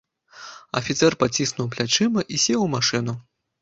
Афіцэр паціснуў плячыма і сеў у машыну.